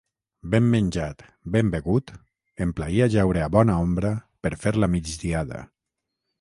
Ben menjat, ben begut, em plaïa jaure a bona ombra per fer la migdiada.